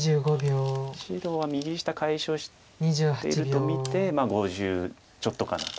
白は右下解消していると見て５０ちょっとかなと。